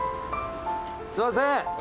すいません。